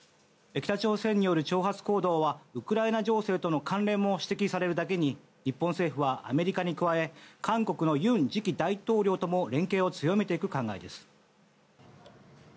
北朝鮮による挑発行動はウクライナ情勢との関連も指摘されるだけに日本政府はアメリカに加え韓国の尹次期大統領とも連携を強めていく考えです。